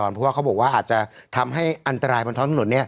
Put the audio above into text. เพราะว่าเขาบอกว่าอาจจะทำให้อันตรายบนท้องถนน